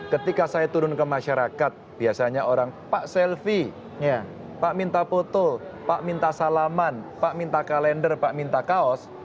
ketika saya turun ke masyarakat biasanya orang pak selfie pak minta foto pak minta salaman pak minta kalender pak minta kaos